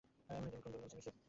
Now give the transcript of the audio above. এমনি দেব কুন্দ, মিছিমিছি।